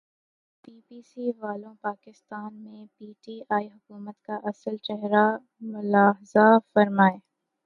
be B C والو پاکستان میں P T I حکومت کا اصل چہرا ملاحظہ فرمائیں